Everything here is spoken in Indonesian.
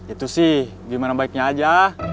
itu sih gimana baiknya aja